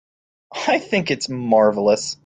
I think it's marvelous.